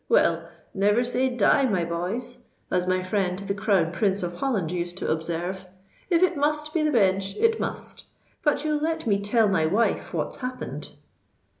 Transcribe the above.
Well—never say die, my boys; as my friend the Crown Prince of Holland used to observe. If it must be the Bench, it must: but you'll let me tell my wife what's happened."